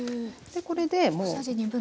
これでもう。